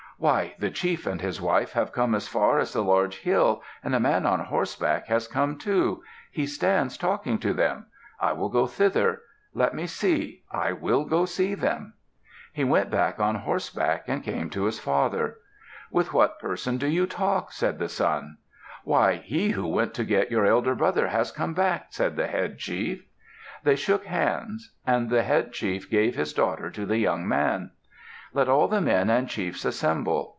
"Why! The chief and his wife have come as far as the large hill and a man on horseback has come, too. He stands talking to them. I will go thither. Let me see! I will go to see them." He went back on horseback and came to his father. "With what person do you talk?" said the son. "Why! He who went to get your elder brother has come back!" said the head chief. They shook hands. And the head chief gave his daughter to the young man. "Let all the men and chiefs assemble.